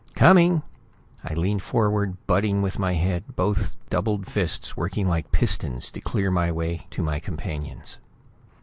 "Coming!" I leaned forward, butting with my head, both doubled fists working like pistons to clear a way to my companions.